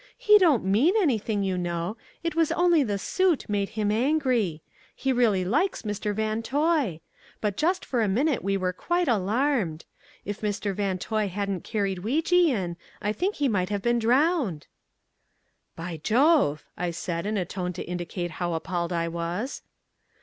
He don't MEAN anything, you know, it was only the SUIT made him angry, he really likes Mr. Van Toy, but just for a minute we were quite alarmed. If Mr. Van Toy hadn't carried Weejee in I think he might have been drowned. "By jove!" I said in a tone to indicate how appalled I was.